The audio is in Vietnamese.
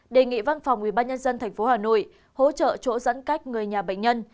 đề nghị văn phòng ubnd tp hà nội hỗ trợ chỗ giãn cách người nhà bệnh nhân